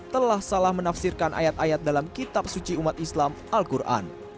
telah salah menafsirkan ayat ayat dalam kitab suci umat islam al quran